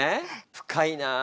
深いなあ。